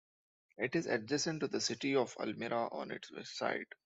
It is adjacent to the city of Elmira on its west side.